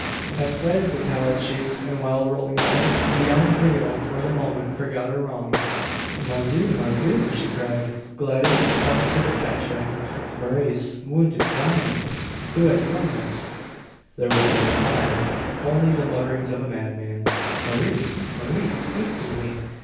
At sight of the pallid cheeks and wild rolling eyes, the young Creole for the moment forgot her wrongs. "Mon dieu! Mon dieu!" she cried, gliding up to the catre. "Maurice wounded dying! Who has done this?" There was no reply: only the mutterings of a madman. "Maurice! Maurice! speak to me!